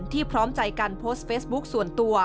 พร้อมใจการโพสต์เฟซบุ๊คส่วนตัว